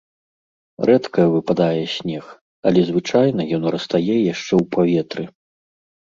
Рэдка выпадае снег, але звычайна ён растае яшчэ ў паветры.